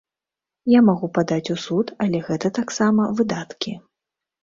Я магу падаць у суд, але гэта таксама выдаткі.